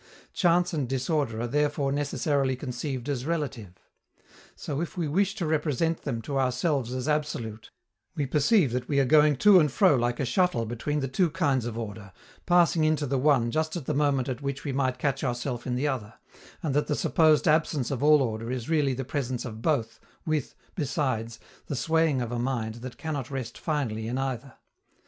Chance and disorder are therefore necessarily conceived as relative. So if we wish to represent them to ourselves as absolute, we perceive that we are going to and fro like a shuttle between the two kinds of order, passing into the one just at the moment at which we might catch ourself in the other, and that the supposed absence of all order is really the presence of both, with, besides, the swaying of a mind that cannot rest finally in either.